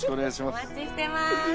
お待ちしてます